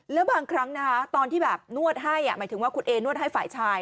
แล้วบางครั้งนะคะตอนที่แบบนวดให้หมายถึงว่าคุณเอนวดให้ฝ่ายชาย